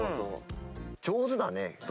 上手だね。